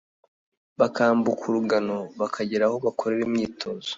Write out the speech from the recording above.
bakambuka urugano bakagera aho bakorera imyitozo